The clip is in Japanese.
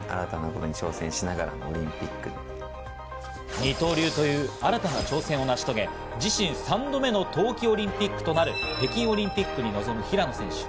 二刀流という新たな挑戦を成し遂げ自身３度目の冬季オリンピックとなる北京オリンピックに臨む平野選手。